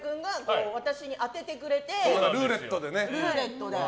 前回、岩井君が私に当ててくれてルーレットで。